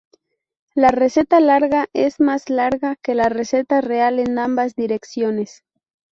La recta larga es más "larga" que la recta real en ambas direcciones.